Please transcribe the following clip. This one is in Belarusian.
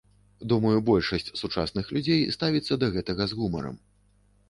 Думаю, большасць сучасных людзей ставіцца да гэтага з гумарам.